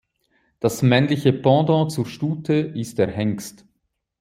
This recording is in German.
Das männliche Pendant zur Stute ist der Hengst.